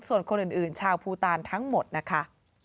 โปรดติดตามตอนต่อไป